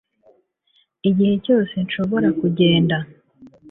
igihe cyose nshobora kugenda